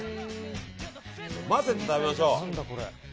混ぜて食べましょう。